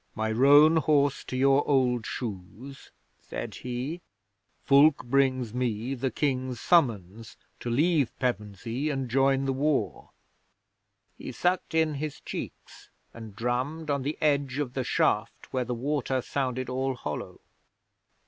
My roan horse to your old shoes," said he, "Fulke brings me the King's Summons to leave Pevensey and join the war." He sucked in his cheeks and drummed on the edge of the shaft, where the water sounded all hollow.